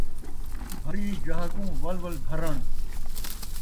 بھری جاہ کوں ول ول بھرݨ